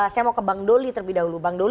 saya mau ke bang doli terlebih dahulu